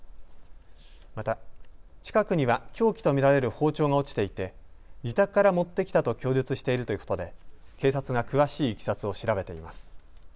また、近くには凶器と見られる包丁が落ちていて自宅から持ってきたと供述しているということで警察が詳しいいきさつを調べています。